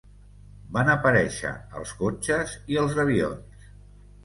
Van aparèixer els cotxes i els avions.